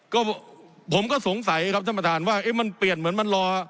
ก็ผมก็สงสัยครับท่านประธานว่าเอ๊ะมันเปลี่ยนเหมือนมันรอ